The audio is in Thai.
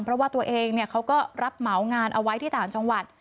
เพราะว่าตัวเองเขาก็รับเหมางานเอาไว้ที่ต่างจังหวัด